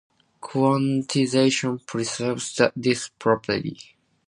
Quantization preserves this property.